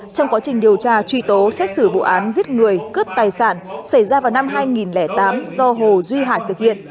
trong quá trình điều tra truy tố xét xử vụ án giết người cướp tài sản xảy ra vào năm hai nghìn tám do hồ duy hải thực hiện